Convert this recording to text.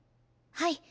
はい。